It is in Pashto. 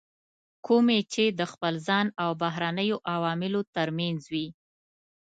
کومې چې د خپل ځان او بهرنیو عواملو ترمنځ وي.